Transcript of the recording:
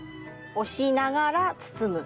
押しながら包む。